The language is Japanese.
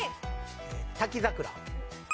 滝桜。